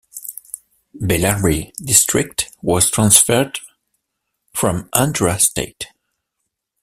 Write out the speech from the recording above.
Bellary district was transferred from Andhra State.